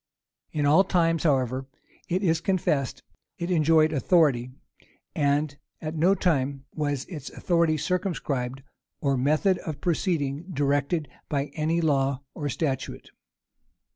In all times, however, it is confessed, it enjoyed authority; and at no time was its authority circumscribed, or method of proceeding directed by any law or statute.